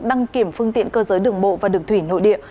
đăng kiểm phương tiện cơ giới đường bộ và đường thủy nội địa